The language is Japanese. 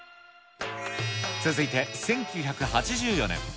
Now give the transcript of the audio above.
続いて１９８４年。